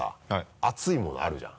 熱いものあるじゃん？